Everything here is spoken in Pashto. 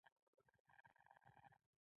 احمد ډېر د بصیرت خاوند انسان دی.